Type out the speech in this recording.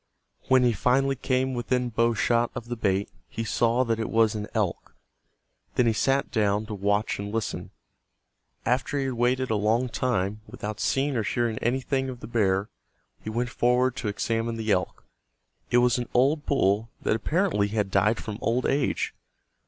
When he finally came within bow shot of the bait he saw that it was an elk. Then he sat down to watch and listen. After he had waited a long time without seeing or hearing anything of the bear, he went forward to examine the elk. It was an old bull that apparently had died from old age.